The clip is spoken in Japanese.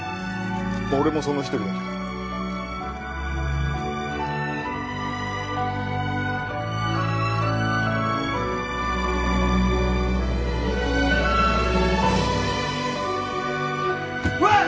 俺もその一人だけどわあ！